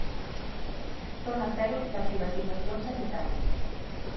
Zona cero da privatización sanitaria.